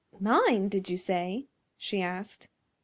"Mine, did you say?" she asked.